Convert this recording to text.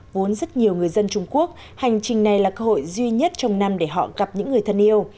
vốn rất nhiều người dân trung quốc hành trình này là cơ hội duy nhất trong năm để họ gặp những người thân yêu